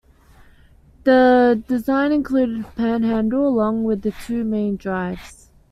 The design included a Panhandle along with two main drives.